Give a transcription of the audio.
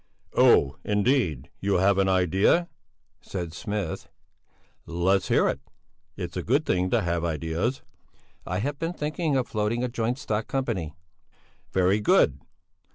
"Oh, indeed! You have an idea," said Smith, "Let's hear it! It's a good thing to have ideas!" "I have been thinking of floating a joint stock company." "Very good.